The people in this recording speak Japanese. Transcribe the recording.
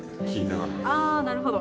あなるほど。